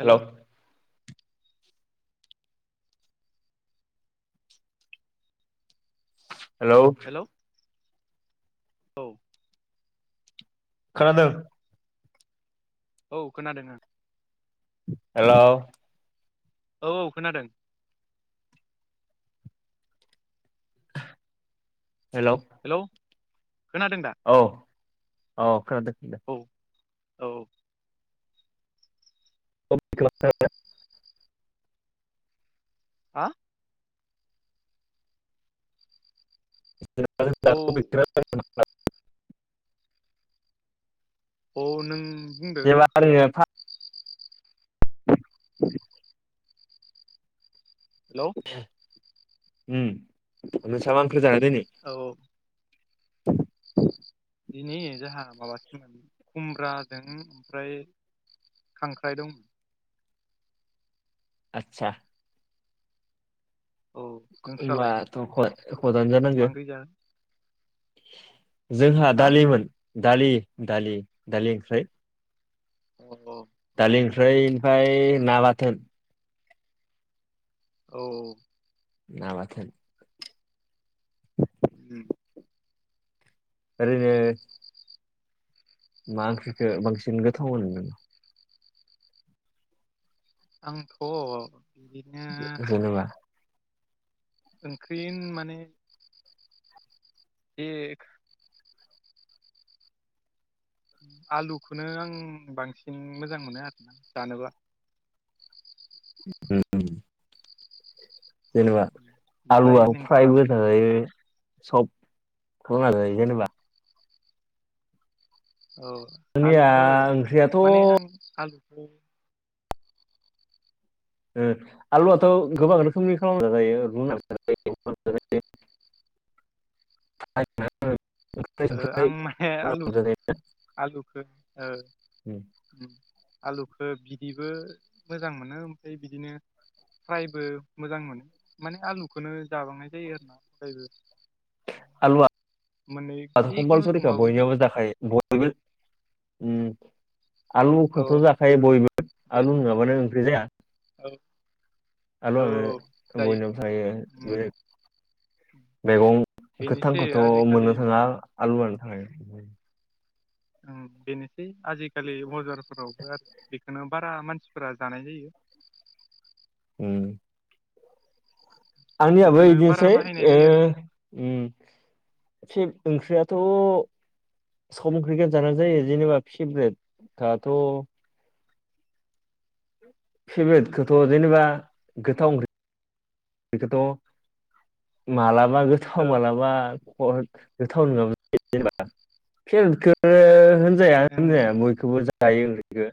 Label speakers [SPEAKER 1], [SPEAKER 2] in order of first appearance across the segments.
[SPEAKER 1] Hello hello
[SPEAKER 2] औ।
[SPEAKER 1] खोनादों।
[SPEAKER 2] औ खोनादों।
[SPEAKER 1] हेलौ
[SPEAKER 2] औ औ खोनादों।
[SPEAKER 1] हेलौ
[SPEAKER 2] खोनादों दा
[SPEAKER 1] औ औ खोनादों [unintelligible]
[SPEAKER 2] औ औ।
[SPEAKER 1] [unintelligible]
[SPEAKER 2] हा? औ
[SPEAKER 1] [unintelligible]
[SPEAKER 2] औ नों बुंदो
[SPEAKER 1] जेनेबा
[SPEAKER 2] माखो
[SPEAKER 1] ओरैनो
[SPEAKER 2] लागोन।
[SPEAKER 1] फा
[SPEAKER 2] हेलौ
[SPEAKER 1] उम
[SPEAKER 2] औ
[SPEAKER 1] [unintelligible] [unintelligible]
[SPEAKER 2] दिनै जाहा माबासोमोन खुमब्राजों ओमफ्राय खांख्राइ दं।
[SPEAKER 1] आतसा
[SPEAKER 2] औ नोंस्रालाय
[SPEAKER 1] ओमबाथ' खद खदानो
[SPEAKER 2] मा
[SPEAKER 1] जानांगो।
[SPEAKER 2] ओंख्रि जागोन
[SPEAKER 1] जोंहा
[SPEAKER 2] हा
[SPEAKER 1] दालिमोन। दालि दालि दालि ओंख्रै।
[SPEAKER 2] अ औ
[SPEAKER 1] दालि ओंख्रै ओमफाय ना बाथोन।
[SPEAKER 2] औ।
[SPEAKER 1] ना बाथोन।
[SPEAKER 2] उम।
[SPEAKER 1] ओरैनो मा ओंख्रिखो बांसिन गोथाव मोनो नोङो?
[SPEAKER 2] आंथ' बिदिनो
[SPEAKER 1] नों जेनेबा
[SPEAKER 2] ओंख्रि माने एक आलुखोनो आं बांसिन मोजां मोनो आरो ना जानोबा।
[SPEAKER 1] होम। जेनेबा
[SPEAKER 2] ओमफ्राय
[SPEAKER 1] आलुवा फ्रायबो
[SPEAKER 2] नोंथाङालाय
[SPEAKER 1] जाजायो। सब [unintelligible] जायो जेनेबा
[SPEAKER 2] औ
[SPEAKER 1] जोंनिया
[SPEAKER 2] आलुखो
[SPEAKER 1] ओंख्रियाथ'
[SPEAKER 2] माने
[SPEAKER 1] ओ
[SPEAKER 2] आं आलुखो
[SPEAKER 1] ओ आलुवाथ' गोबां रोखोमनि खामना जाजायो [unintelligible] [unintelligible]
[SPEAKER 2] आलुखो ओ उम। आलुखो बिदिबो मोजां मोनो ओमफाय बिदिनो फ्रायबो मोजां मोनो। माने आलुखोनो जाबांनाय जायो आरो ना फ्रायबो।
[SPEAKER 1] आलुवा
[SPEAKER 2] मोननै जिखुनु
[SPEAKER 1] [inaudible]
[SPEAKER 2] संबाबो मोजां
[SPEAKER 1] बयनियावबो जाखायो बयबो
[SPEAKER 2] मोनो।
[SPEAKER 1] ओम
[SPEAKER 2] औ
[SPEAKER 1] आलुखौथ'
[SPEAKER 2] बेबो
[SPEAKER 1] जाखायो बयबो
[SPEAKER 2] जायो
[SPEAKER 1] आलु नङाबानो ओंख्रि जाया।
[SPEAKER 2] औ
[SPEAKER 1] आलु
[SPEAKER 2] औ
[SPEAKER 1] आङो
[SPEAKER 2] जायो
[SPEAKER 1] बयनावबो थायो।
[SPEAKER 2] उम
[SPEAKER 1] बे मैगं
[SPEAKER 2] बेनोसै
[SPEAKER 1] गोथांखौथ'
[SPEAKER 2] आजिखालि
[SPEAKER 1] मोननो थाङा आलुवानो थाङो।
[SPEAKER 2] ओम बेनोसै। आजिखालि बजारफोरावबो आरो बेखोनो बारा मानसिफोरा जानाय जायो।
[SPEAKER 1] [inaudible] उम। आंनियाबो
[SPEAKER 2] बेखौनो
[SPEAKER 1] इदिनोसै
[SPEAKER 2] बारा बाहायनाय
[SPEAKER 1] ओ
[SPEAKER 2] जायो
[SPEAKER 1] ओम फेब ओंख्रियाथ' सम क्रिकै जानानै जायो जेनेबा फेभ्रेट दाथ' फेभ्रेट खोथ' जेनेबा गोथाव ओंख्रि बेखोथ' मालाबा गोथाव
[SPEAKER 2] आरो
[SPEAKER 1] मालाबा [unintelligible] गोथाव [unintelligible] जाया
[SPEAKER 2] ओ
[SPEAKER 1] होनजाया बयखौबो जायो ओंख्रैखो।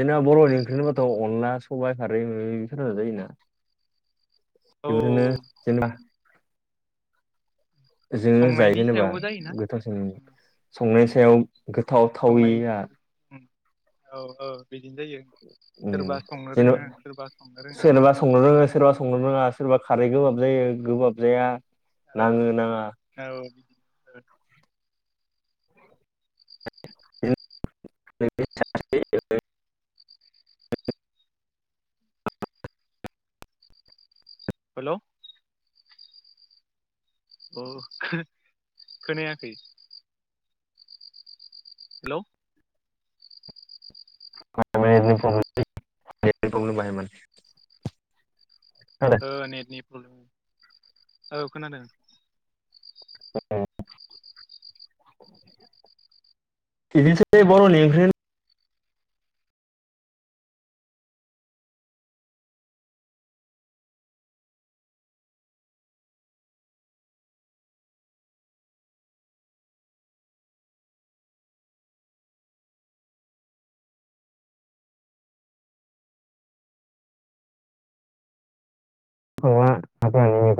[SPEAKER 1] जोंना
[SPEAKER 2] जों
[SPEAKER 1] बर'नि ओंख्रि होनबाथ' अनला, सबाय खारै [unintelligible] फोरानो जायो ना।
[SPEAKER 2] औ
[SPEAKER 1] [unintelligible] जेनेबा जोङो जायो
[SPEAKER 2] संनायनि
[SPEAKER 1] जेनेबा
[SPEAKER 2] सायावबो जायोना
[SPEAKER 1] गोथावसिन मोनो। संनायनि सायाव गोथाव
[SPEAKER 2] संनायनि
[SPEAKER 1] थावैया
[SPEAKER 2] सायाव औ औ बिदिनो जायो
[SPEAKER 1] उम
[SPEAKER 2] सोरबा संनो
[SPEAKER 1] जेनेबा
[SPEAKER 2] रोङो सोरबा संनो रोङा
[SPEAKER 1] सोरबा संनो रोङो सोरबा संनो रोङा सोरबा खारै गोबाब जायो गोबाब जाया नाङो नाङा
[SPEAKER 2] [inaudible] औ ओ
[SPEAKER 1] [unintelligible] [unintelligible]
[SPEAKER 2] हेलौ औ खो खोनायाखै हेलौ
[SPEAKER 1] मानि [unintelligible] बाहाय माने
[SPEAKER 2] औ नेटनि प्रब्लेम औ खोनादों
[SPEAKER 1] इदि बर' ने ओंख्रिहोन अ आ [unintelligible]